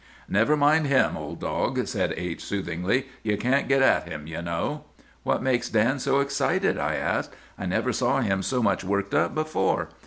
"'Never mind him, old dog,' said H—— soothingly; 'you can't get at him, you know.' "'What makes Dan so excited?' I asked. 'I never saw him so much worked up before.